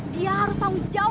dia harus tau ujawang